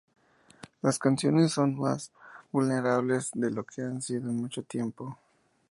Las canciones son más vulnerables de lo que han sido en mucho tiempo.